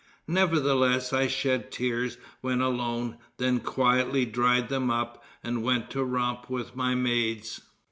Nevertheless I shed tears when alone, then quietly dried them up, and went to romp with my maids.